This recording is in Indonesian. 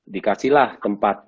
dikasih lah tempat